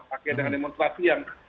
pakai dengan demonstrasi yang